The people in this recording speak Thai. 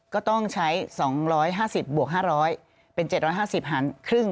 ก็ต้องใช้๒๕๐บวก๕๐๐เป็น๗๕๐หารครึ่ง